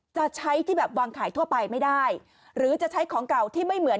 จะใช้ที่แบบวางขายทั่วไปไม่ได้หรือจะใช้ของเก่าที่ไม่เหมือน